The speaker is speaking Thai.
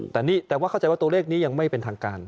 แต่นี่แต่ว่าเข้าใจว่าตัวเลขนี้ยังไม่เป็นทางการ